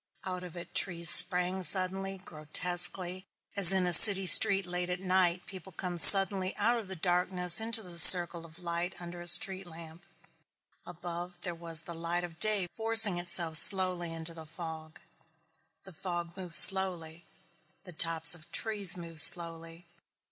Out of it trees sprang suddenly, grotesquely, as in a city street late at night people come suddenly out of the darkness into the circle of light under a street lamp. Above there was the light of day forcing itself slowly into the fog. The fog moved slowly. The tops of trees moved slowly.